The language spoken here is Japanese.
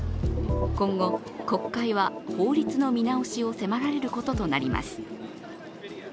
今後、国会は法律の見直しを迫られることとなります。